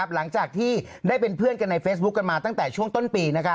หลังจากที่ได้เป็นเพื่อนกันในเฟซบุ๊คกันมาตั้งแต่ช่วงต้นปี